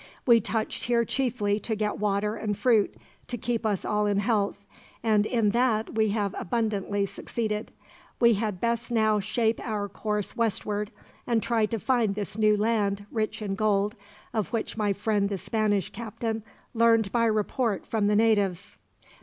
"We touched here chiefly to get water and fruit, to keep us all in health, and in that we have abundantly succeeded. We had best now shape our course westward, and try to find this new land, rich in gold, of which my friend the Spanish captain learned by report from the natives.